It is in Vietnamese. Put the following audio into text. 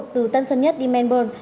từ tân sân nhất đi melbourne